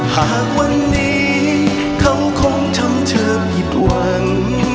หากวันนี้เขาคงทำเธอผิดหวัง